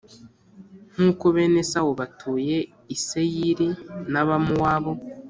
nk’uko bene Esawu batuye i Seyiri n’Abamowabu